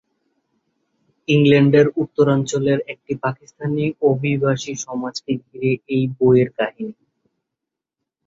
ইংল্যান্ডের উত্তরাঞ্চলে একটি পাকিস্তানি অভিবাসী সমাজকে ঘিরে এই বইয়ের কাহিনী।